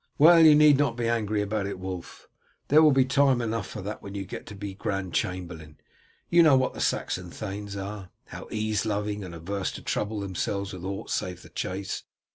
"Well, you need not be angry about it, Wulf. There will be time enough for that when you get to be grand chamberlain. You know what the Saxon thanes are how ease loving, and averse to trouble themselves with aught save the chase.